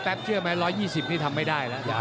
แป๊บเชื่อไหม๑๒๐นี่ทำไม่ได้แล้วนะครับ